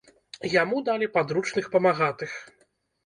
Яму далі падручных памагатых.